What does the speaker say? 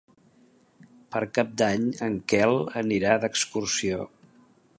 Per Cap d'Any en Quel anirà d'excursió.